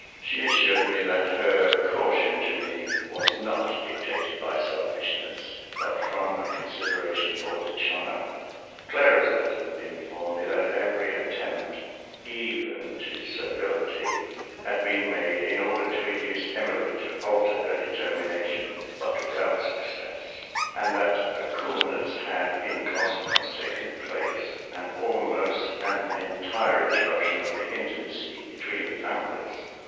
She assured me that her caution to me was not dictated by selfishness, but from a consideration for the child. Clara's letter informed me that every attempt, even to servility, had been made, in order to induce Emily to alter her determination, but without success; and that a coolness had, in consequence, taken place, and almost an entire interruption of the intimacy between the families.